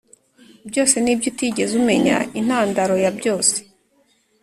byose nibyutigeze umenya intandaro yabyose